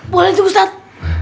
boleh tuh ustadz